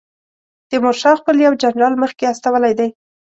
تیمورشاه خپل یو جنرال مخکې استولی دی.